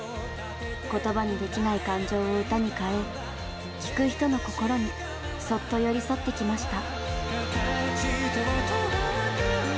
言葉にできない感情を歌に変え聴く人の心にそっと寄り添ってきました。